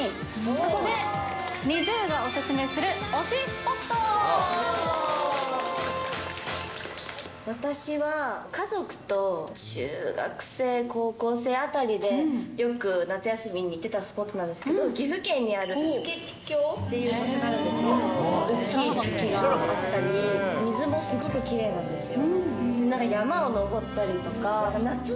そこで、ＮｉｚｉＵがお勧めする私は、家族と中学生、高校生あたりで、よく夏休みに行ってたスポットなんですけど、岐阜県にある付知峡っていう場所なんですけど、おっきい滝があったり、水もすごくきれいなんですよ。